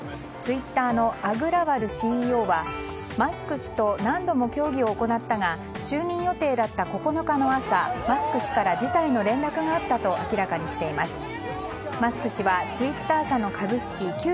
ツイッターのアグラワルＣＥＯはマスク氏と何度も協議を行ったが就任予定だった９日の朝マスク氏から辞退の連絡があったと明らかにしています。